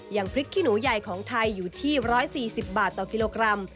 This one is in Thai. อย่างพริกขี้หนูใหญ่ของไทยอยู่ที่๑๔๐บาทต่อกิโลกรัม